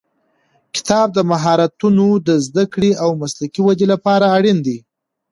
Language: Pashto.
کتاب د مهارتونو د زده کړې او مسلکي ودې لپاره اړین دی.